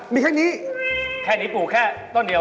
มีแค่นี้แปลงครับแค่นี้ปลูกแค่ต้นเดียว